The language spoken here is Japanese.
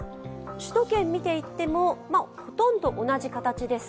首都圏をみていってもほとんど同じ形です。